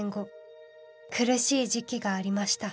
苦しい時期がありました。